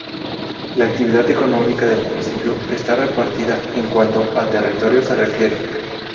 La actividad económica del municipio está repartida en cuanto a territorio se refiere.